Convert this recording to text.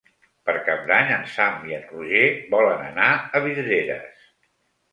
Per Cap d'Any en Sam i en Roger volen anar a Vidreres.